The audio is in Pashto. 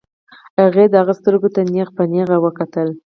هغې د هغه سترګو ته نېغ په نېغه وکتل.